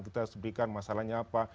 kita harus berikan masalahnya apa